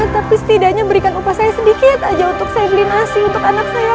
tapi setidaknya berikan upah saya sedikit aja untuk saya beli nasi untuk anak saya